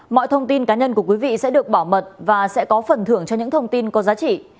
mọi thông tin cá nhân của quý vị sẽ được bảo mật và sẽ có phần thưởng cho những thông tin có giá trị